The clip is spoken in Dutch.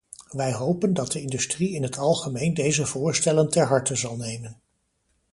Wij hopen dat de industrie in het algemeen deze voorstellen ter harte zal nemen.